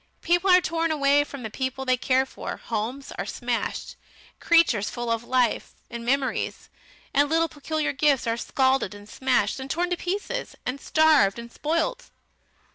People are torn away from the people they care for; homes are smashed, creatures full of life, and memories, and little peculiar gifts are scalded and smashed, and torn to pieces, and starved, and spoilt.